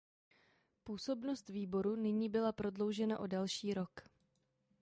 Působnost výboru nyní byla prodloužena o další rok.